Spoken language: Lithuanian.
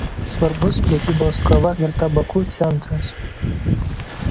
Svarbus prekybos kava ir tabaku centras.